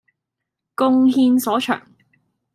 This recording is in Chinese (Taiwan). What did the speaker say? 貢獻所長